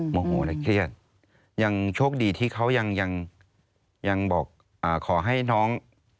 โมโหและเครียดยังโชคดีที่เขายังบอกขอให้น้อง